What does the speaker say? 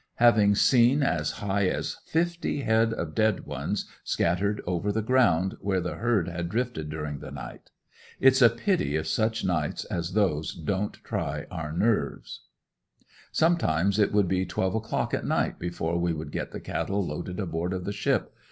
Have seen as high as fifty head of dead ones scattered over the ground where the herd had drifted during the night. It's a pity if such nights as those didn't try our nerves. Sometimes it would be twelve o'clock at night before we would get the cattle loaded aboard of the ship.